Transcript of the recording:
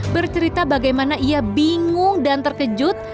bercerita bagaimana ia bingung dan terkejut